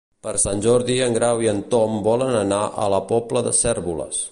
Per Sant Jordi en Grau i en Tom volen anar a la Pobla de Cérvoles.